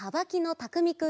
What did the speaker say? たくみくん。